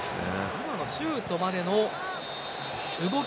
今のシュートまでの動き。